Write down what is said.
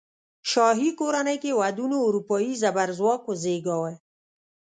شاهي کورنۍ کې ودونو اروپايي زبرځواک وزېږاوه.